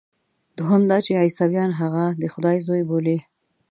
دوهم دا چې عیسویان هغه د خدای زوی بولي.